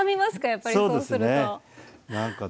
やっぱりそうすると。